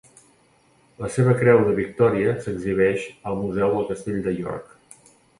La seva Creu de Victòria s'exhibeix al Museu del Castell de York.